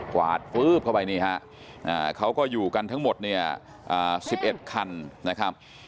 กวาดฟื๊บเข้าไปนี่ฮะเขาก็อยู่กันทั้งหมดเนี่ย๑๑คันนะครับ